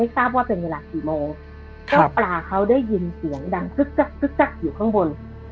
ทราบว่าเป็นเวลากี่โมงเจ้าปลาเขาได้ยินเสียงดังคึกจักอยู่ข้างบน